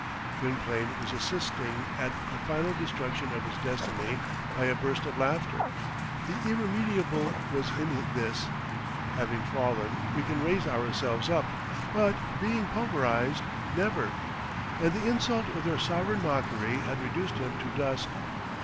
Gwynplaine was assisting at the final destruction of his destiny by a burst of laughter. The irremediable was in this. Having fallen, we can raise ourselves up; but, being pulverized, never. And the insult of their sovereign mockery had reduced him to dust.